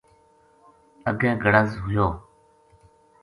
اگے گڑز ہویو